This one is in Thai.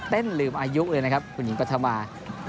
ลืมอายุเลยนะครับคุณหญิงปัธมา